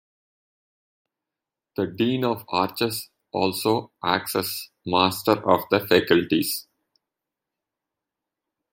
The Dean of Arches also acts as Master of the Faculties.